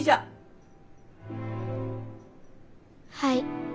はい。